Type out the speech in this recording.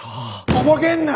とぼけんな！